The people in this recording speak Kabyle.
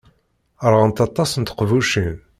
Ṛɣant aṭas n teqbucin.